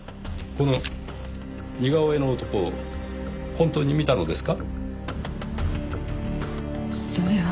この似顔絵の男を本当に見たのですか？